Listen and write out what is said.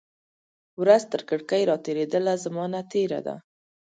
ورځ ترکړکۍ را تیریدله، زمانه تیره ده